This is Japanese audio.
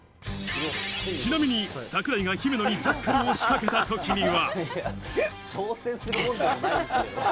ちなみに櫻井が姫野にジャッカルを仕掛けたときには。